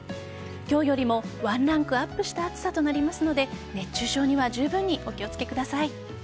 今日よりもワンランクアップした暑さとなりますので熱中症にはじゅうぶんにお気を付けください。